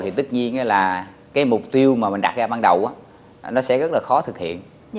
thì tất nhiên là cái mục tiêu mà mình đặt ra ban đầu nó sẽ rất là khó thực hiện